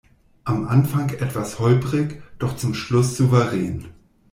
Am Anfang etwas holprig, doch zum Schluss souverän.